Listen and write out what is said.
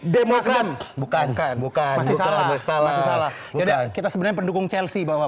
dari oran bukan buka masih salah salah kita sebenarnya pendukung chelsea bawa